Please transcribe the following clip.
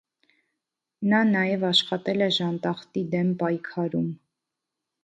Նա նաև աշխատել է ժանտախտի դեմ պայքարում։